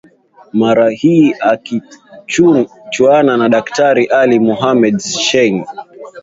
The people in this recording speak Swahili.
Mara hii akichuana na Daktari Ali Mohamed Shein